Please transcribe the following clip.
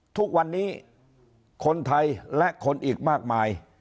ทุกวันนี้คนไทยและคนอีกมากมาย